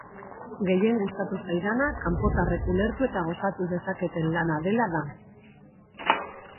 Gehien gustatu zaidana kanpotarrek ulertu eta gozatu dezaketen lana dela da.